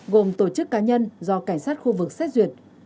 gồm tổ chức cá nhân do cảnh sát khu vực xét duyệt